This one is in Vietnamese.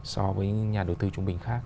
so với những nhà đầu tư trung bình khác